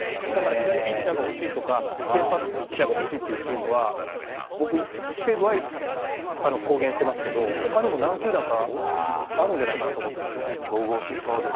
左ピッチャー欲しいとか先発ピッチャーが欲しいというチームは西武は公言していますけど他にも何球団かあるんじゃないかと思っています。